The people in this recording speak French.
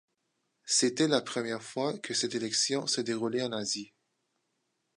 C'était la première fois que cette élection se déroulait en Asie.